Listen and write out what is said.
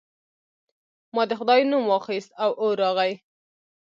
ما د خدای نوم واخیست او اور راغی.